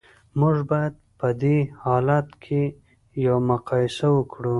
موږ باید په دې حالت کې یوه مقایسه وکړو